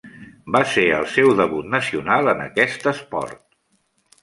Va ser el seu debut nacional en aquest esport.